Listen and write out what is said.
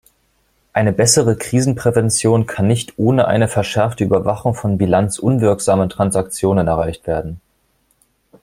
Eine bessere Krisenprävention kann nicht ohne eine verschärfte Überwachung von bilanzunwirksamen Transaktionen erreicht werden.